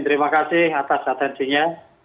terima kasih atas atensinya